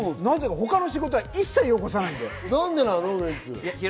他の仕事は一切よこさないんだよ。